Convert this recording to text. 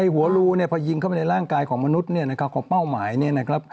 หัวรูพอยิงเข้าไปในร่างกายของมนุษย์ของเป้าหมายเนี่ยนะครับ